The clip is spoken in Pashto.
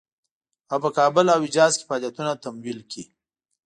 او په کابل او حجاز کې فعالیتونه تمویل کړي.